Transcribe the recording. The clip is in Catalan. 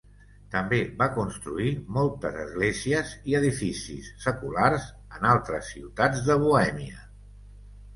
També va construir moltes esglésies i edificis seculars en altres ciutats de Bohèmia.